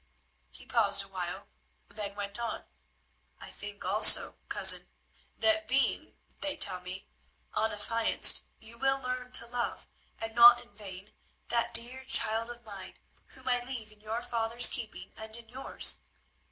He paused a while, then went on: "I think also, cousin, that being, they tell me, unaffianced, you will learn to love, and not in vain, that dear child of mine, whom I leave in your father's keeping and in yours.